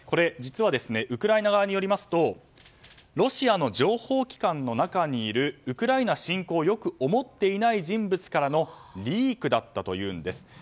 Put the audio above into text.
実はウクライナ側によりますとロシアの情報機関の中にいるウクライナ侵攻を良く思っていない人物からのリークだったというんです。